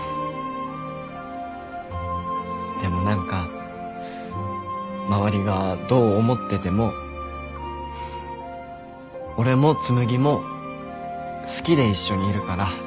でも何か周りがどう思ってても俺も紬も好きで一緒にいるから。